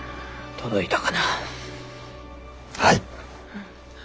届いたか。